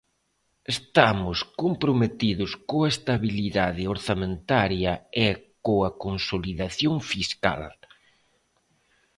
Estamos comprometidos coa estabilidade orzamentaria e coa consolidación fiscal.